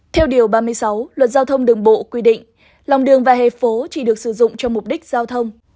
theo điều ba mươi sáu luật giao thông đường bộ quy định lòng đường và hè phố chỉ được sử dụng cho mục đích giao thông